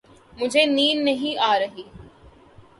مجھے نیند نہیں آ رہی۔